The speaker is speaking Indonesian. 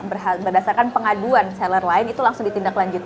berdasarkan pengaduan seller lain itu langsung ditindak lanjut